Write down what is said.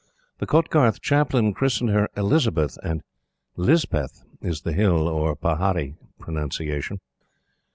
The Kotgarth Chaplain christened her Elizabeth, and "Lispeth" is the Hill or pahari pronunciation.